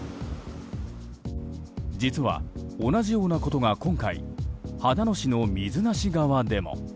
実は、同じようなことが今回秦野市の水無川でも。